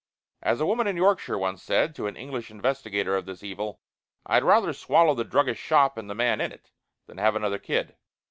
As a woman in Yorkshire once said to an English investigator of this evil: "I'd rather swallow the druggist's shop and the man in it, than have another kid."